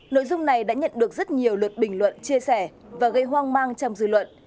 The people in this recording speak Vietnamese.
nội dung này đã nhận được rất nhiều luật bình luận chia sẻ và gây hoang mang trong dư luận